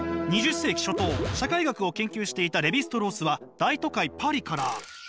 ２０世紀初頭社会学を研究していたレヴィ＝ストロースは大都会パリから。